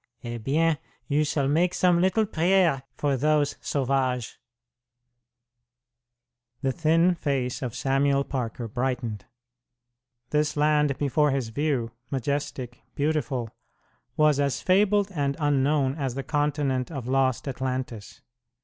Eh bien, you shall make some little priere for those sauvages." The thin face of Samuel Parker brightened. This land before his view, majestic, beautiful, was as fabled and unknown as the continent of lost Atlantis.